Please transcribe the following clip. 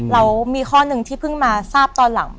แล้วมีข้อหนึ่งที่เพิ่งมาทราบตอนหลัง